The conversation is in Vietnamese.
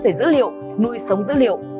về dữ liệu nuôi sống dữ liệu